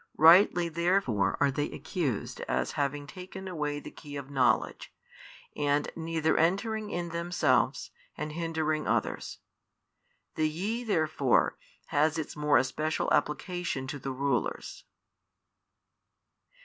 Rightly therefore are they accused as having taken away the key of knowledge, and neither entering in themselves, and hindering others. The YE therefore has its more especial application to the rulers.